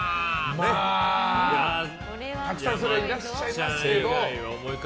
たくさんいらっしゃいますけど。